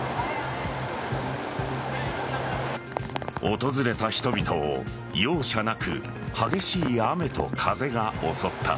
訪れた人々を容赦なく激しい雨と風が襲った。